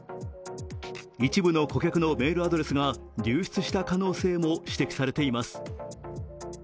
一部の顧客のメールアドレスが流出した可能性も指摘されています。